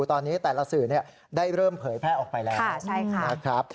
ตอนนี้แต่ละสื่อได้เริ่มเผยแพร่ออกไปแล้วนะครับ